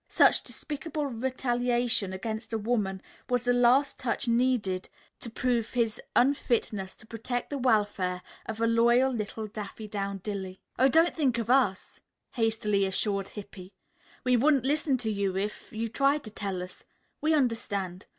Such despicable retaliation against a woman was the last touch needed to prove his unfitness to protect the welfare of loyal little Daffydowndilly. "Oh, don't think of us," hastily assured Hippy. "We wouldn't listen to you if you tried to tell us. We understand.